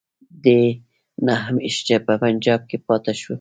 دی نهه میاشتې په پنجاب کې پاته شو.